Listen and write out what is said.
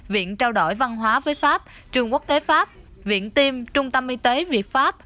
viện trao đổi văn hóa với pháp trường quốc tế pháp viện tiêm trung tâm y tế việt pháp